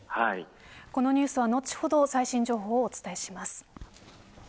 このニュースは後ほど最新情報をお伝えします。